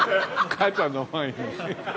かあちゃんの前に？